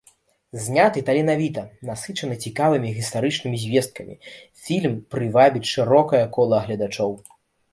Зняты таленавіта, насычаны цікавымі гістарычнымі звесткамі фільм прывабіць шырокае кола гледачоў.